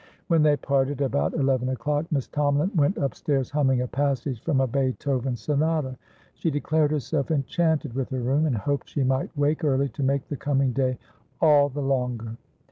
When they parted, about eleven o'clock, Miss Tomalin went upstairs humming a passage from a Beethoven sonata. She declared herself enchanted with her room, and hoped she might wake early, to make the coming day all the longer.